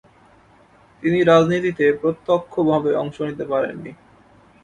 তিনি রাজনীতিতে প্রত্যক্ষভাবে অংশ নিতে পারেন নি।